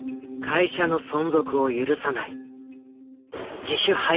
会社の存続を許さない自主廃業。